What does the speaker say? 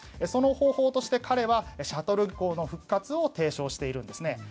その方法として彼はシャトル外交の復活を提唱しているんですね。